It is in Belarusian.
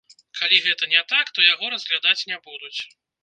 Калі гэта не так, то яго разглядаць не будуць.